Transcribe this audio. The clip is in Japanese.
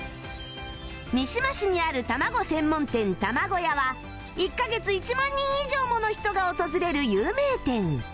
三島市にあるたまご専門店 ＴＡＭＡＧＯＹＡ は１カ月１万人以上もの人が訪れる有名店